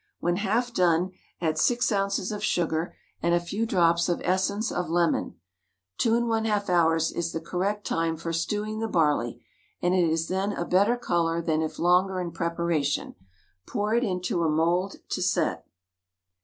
When half done, add 6 oz. of sugar and a few drops of essence of lemon. 21/2 hours is the correct time for stewing the barley, and it is then a better colour than if longer in preparation. Pour it into a mould to set.